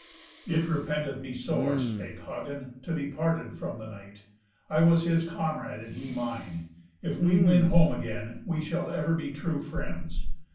"It repenteth me sore," spake Hagen, "to be parted from the knight. I was his comrade, and he mine. If we win home again, we shall ever be true friends.